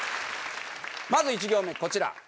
まず１行目こちら。